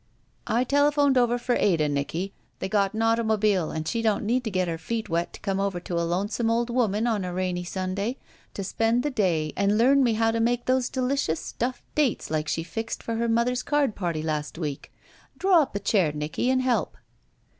"I telephoned over for Ada, Nicky. They got an automobile and she don't need to get her feet wet to come over to a lonesome old woman on a rainy Stmday, to spend the day and learn me how to make those delicious stuffed dates like she fixed for her mother's card party last week. Draw up a chair, Nicky, and help."